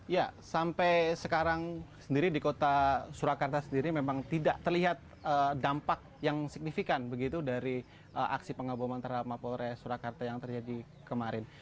ya sampai sekarang sendiri di kota surakarta sendiri memang tidak terlihat dampak yang signifikan begitu dari aksi pengaboman terhadap mapol res surakarta yang terjadi kemarin